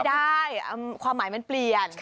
ได้ความหมายมันเปลี่ยน